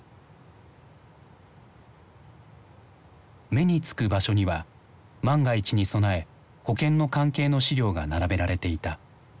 目につく場所には万が一に備え保険の関係の資料が並べられていた。